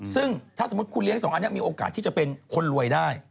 ซึ่งถ้าสมมุติคุณเลี้ยงสองอันนี้มีโอกาสที่จะเป็นคนรวยได้